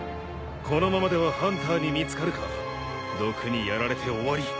このままではハンターに見つかるか毒にやられて終わり。